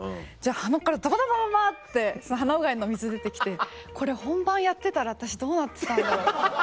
鼻からダバダバダバって鼻うがいの水出て来てこれ本番やってたら私どうなってたんだろう？